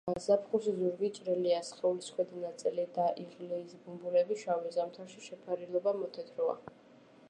ზაფხულში ზურგი ჭრელია, სხეულის ქვედა ნაწილი და იღლიის ბუმბულები შავი; ზამთარში შეფერილობა მოთეთროა.